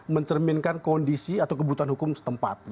mencerminkan kondisi atau kebutuhan hukum setempat